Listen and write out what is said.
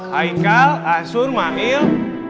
haikal asun manil